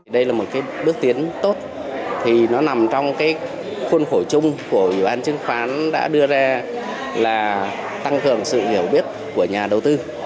đây là một bước tiến tốt thì nó nằm trong khuôn khổ chung của ủy ban chứng khoán đã đưa ra là tăng cường sự hiểu biết của nhà đầu tư